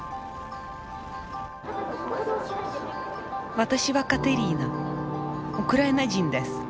私はカテリーナウクライナ人です。